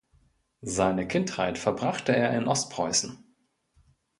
Seine Kindheit verbrachte er in Ostpreußen.